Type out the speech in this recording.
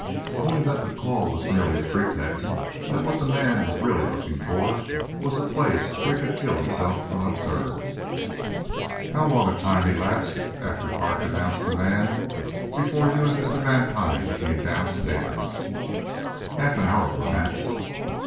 "Only that the call was merely a pretext that what the man was really looking for was a place where he could kill himself unobserved." "How long a time elapsed after Parks announced the man before you and Mr. Vantine came downstairs?" "Half an hour, perhaps."